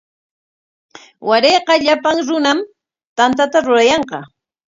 Warayqa llapan runam tantata rurayanqa.